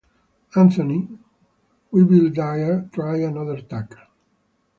Anthony, bewildered, tried another tack.